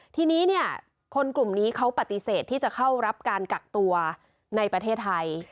ทีนี้เนี่ยคนกลุ่มนี้เขาปฏิเสธที่จะเข้ารับการกักตัวในประเทศไทย